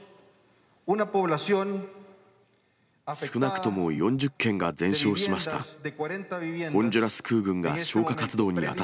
少なくとも４０軒が全焼しました。